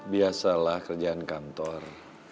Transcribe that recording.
biasalah kerjaan kantor